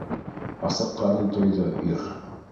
Асыҡҡанын тойҙо ир.